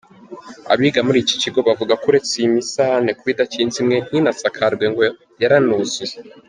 Abiga muri iki kigo bavugako uretse iyi misarane kuba idakinze imwe ntinasakarwe, ngo yaranuzuye.